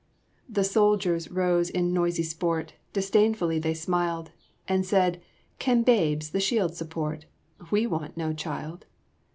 "The soldiers rose in noisy sport; Disdainfully they smiled; And said, 'Can babes the shield support? 'We want no Child.